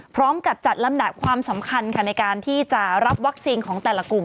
พร้อมกับจัดลำดับความสำคัญค่ะในการที่จะรับวัคซีนของแต่ละกลุ่ม